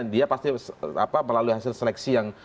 dia pasti melalui hasil seleksi yang